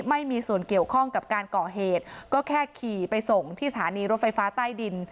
ไม่มีส่วนเกี่ยวข้องกับการก่อเหตุก็แค่ขี่ไปส่งที่สถานีรถไฟฟ้าใต้ดิน